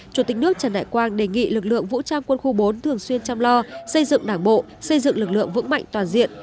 chủ tịch nước trần đại quang đề nghị lực lượng vũ trang quân khu bốn thường xuyên chăm lo xây dựng đảng bộ xây dựng lực lượng vững mạnh toàn diện